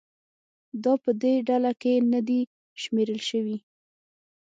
دا په دې ډله کې نه دي شمېرل شوي.